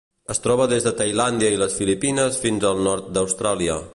Es troba des de Tailàndia i les Filipines fins al nord d'Austràlia.